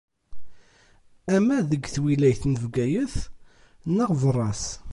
Ama deg twilayt n Bgayet neɣ berra-s.